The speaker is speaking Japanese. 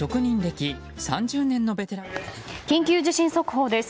緊急地震速報です。